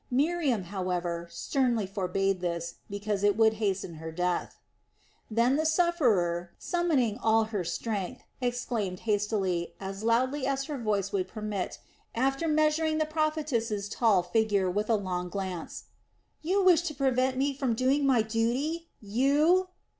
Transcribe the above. Miriam, however, sternly forbade this, because it would hasten her death. Then the sufferer, summoning all her strength, exclaimed hastily, as loudly as her voice would permit, after measuring the prophetess' tall figure with a long glance: "You wish to prevent me from doing my duty you?"